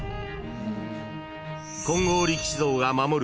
［金剛力士像が守る